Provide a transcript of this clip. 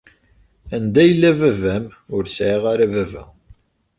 Anda yella baba-m? Ur sɛiɣ ara baba.